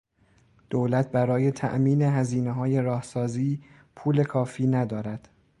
دولت برای تامین هزینههای راه سازی پول کافی ندارد.